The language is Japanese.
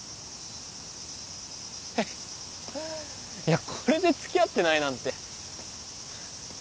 えいやこれで付き合ってないなんて。